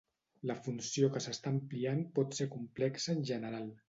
La funció que s'està ampliant pot ser complexa en general.